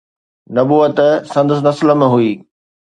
نبوت سندس نسل ۾ هئي.